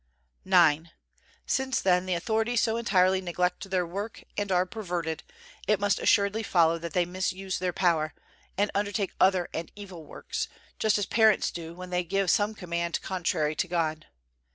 IX. Since, then, the authorities so entirely neglect their work, and are perverted, it must assuredly follow that they misuse their power, and undertake other and evil works, just as parents do when they give some command contrary to God.